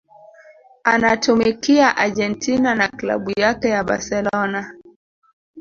anatumikia Argentina na Klabu yake ya Barcelona